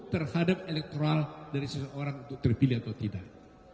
terhadap elektoral dari seseorang untuk terpilih atau tidak